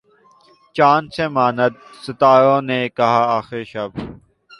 چاند سے ماند ستاروں نے کہا آخر شب